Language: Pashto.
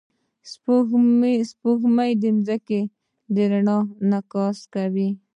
سپوږمۍ د ځمکې د رڼا انعکاس کوي